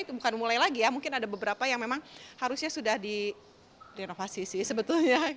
itu bukan mulai lagi ya mungkin ada beberapa yang memang harusnya sudah direnovasi sih sebetulnya